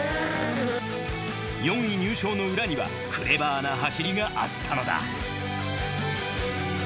４位入賞の裏にはクレバーな走りがあったのだ